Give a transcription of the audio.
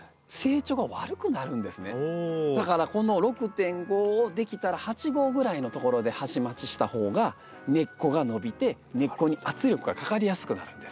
だからこの６．５をできたら８号ぐらいのところで鉢増しした方が根っこが伸びて根っこに圧力がかかりやすくなるんです。